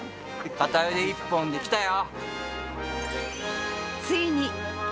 片腕１本で来たよ！